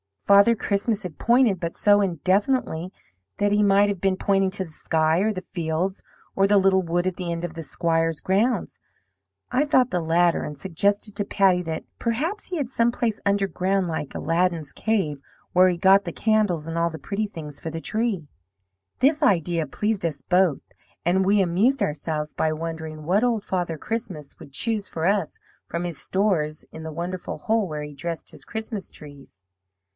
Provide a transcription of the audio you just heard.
Father Christmas had pointed, but so indefinitely that he might have been pointing to the sky, or the fields, or the little wood at the end of the Squire's grounds. I thought the latter, and suggested to Patty that perhaps he had some place underground like Aladdin's cave, where he got the candles, and all the pretty things for the tree. This idea pleased us both, and we amused ourselves by wondering what Old Father Christmas would choose for us from his stores in that wonderful hole where he dressed his Christmas trees.